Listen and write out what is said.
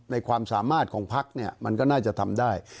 ความสามารถของพักเนี่ยมันก็น่าจะทำได้